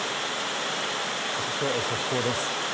そして速報です。